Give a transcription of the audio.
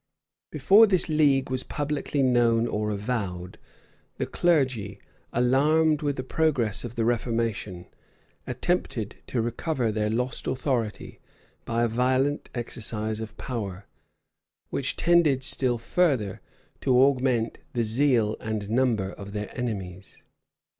Before this league was publicly known or avowed, the clergy, alarmed with the progress of the reformation, attempted to recover their lost authority by a violent exercise of power, which tended still further to augment the zeal and number of their enemies.